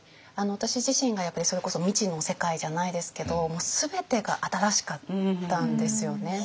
私自身がやっぱりそれこそ未知の世界じゃないですけどもう全てが新しかったんですよね。